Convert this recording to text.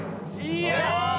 いや！